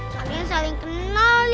saling saling kenal ya